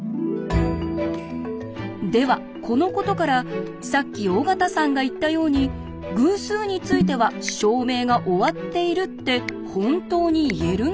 ではこのことからさっき尾形さんが言ったように「偶数については証明が終わっている」って本当に言えるんでしょうか？